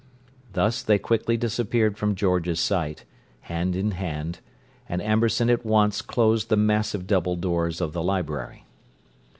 Thus they quickly disappeared from George's sight, hand in hand; and Amberson at once closed the massive double doors of the library.